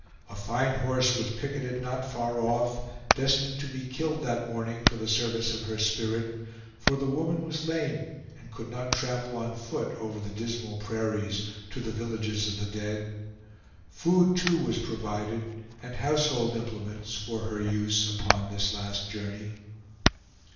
A fine horse was picketed not far off, destined to be killed that morning for the service of her spirit, for the woman was lame, and could not travel on foot over the dismal prairies to the villages of the dead. Food, too, was provided, and household implements, for her use upon this last journey.